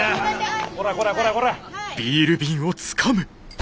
こらこらこらこら。